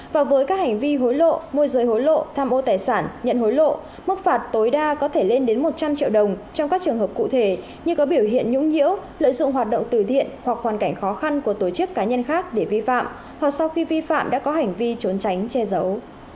và với các hành vi hối lộ môi giới hối lộ tham ô tài sản nhận hối lộ mức phạt tối đa có thể lên đến một trăm linh triệu đồng trong các trường hợp cụ thể như có biểu hiện nhũng nhiễu lợi dụng hoạt động tử thiện hoặc hoàn cảnh khó khăn của tổ chức cá nhân khác để vi phạm hoặc sau khi vi phạm đã có hành vi trốn tránh che giấu